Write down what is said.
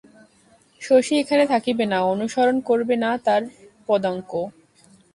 শশী এখানে থাকিবে না, অনুসরণ করবে না তার পদাঙ্ক?